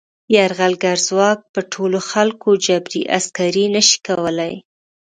یرغلګر ځواک په ټولو خلکو جبري عسکري نه شي کولای.